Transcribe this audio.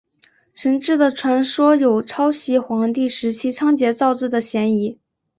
神志的传说有抄袭黄帝时期仓颉造字的嫌疑。